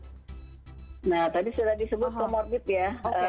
nah tadi sudah disebut comorbid ya